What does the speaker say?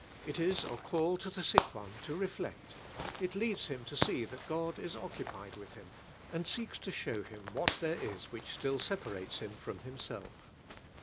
It is a call to the sick one to reflect; it leads him to see (hat Gad is occupied with him, and seeks to show him what there is which still separates him from Himself.